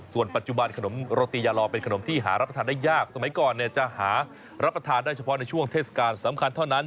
ส่วนปัจจุบันขนมโรตียาลอเป็นขนมที่หารับประทานได้ยากสมัยก่อนจะหารับประทานได้เฉพาะในช่วงเทศกาลสำคัญเท่านั้น